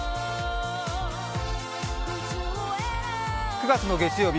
９月の月曜日